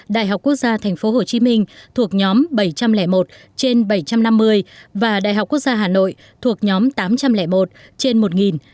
đại học quốc gia tp hcm thuộc nhóm bảy trăm linh một trên bảy trăm năm mươi và đại học quốc gia hà nội thuộc nhóm tám trăm linh một trên một